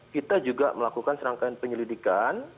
kita juga melakukan serangkaian penyelidikan